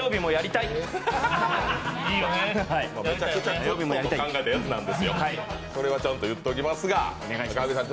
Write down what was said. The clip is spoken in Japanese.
めちゃくちゃきょんが考えたやつなんですよ、これはちゃんと言っておきますが。